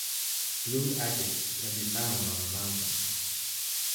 Blue agate can be found on the mountain.